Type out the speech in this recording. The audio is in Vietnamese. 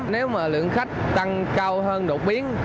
nếu mà lượng khách tăng cao hơn độ biến